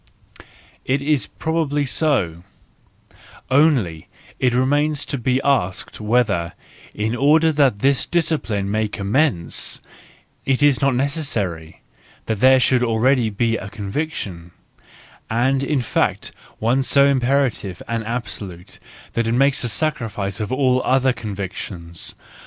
. It is probably so: only, it remains to be asked whether, in order • that this discipline may commence , it is not necessary that there should already be a conviction, and in fact one so imperative and absolute, that it makes a sacrifice of all other convictions.